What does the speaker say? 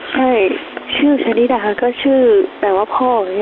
ใช่ชื่อชนิดาก็ชื่อแบบว่าพ่อแบบนี้ค่ะอืม